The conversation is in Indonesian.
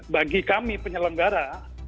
bagi kami penyelenggara